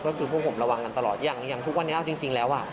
ก็คือพวกผมระวังกันตลอดอย่างทุกวันนี้เอาจริงแล้วอ่ะ